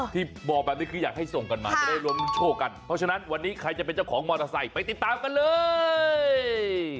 ที่บอกแบบนี้คืออยากให้ส่งกันมาจะได้รวมโชคกันเพราะฉะนั้นวันนี้ใครจะเป็นเจ้าของมอเตอร์ไซค์ไปติดตามกันเลย